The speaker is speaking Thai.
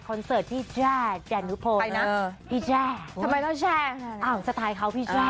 คอนเสิร์ตพี่แจ้แดนุโพนพี่แจ้สไตล์เขาพี่แจ้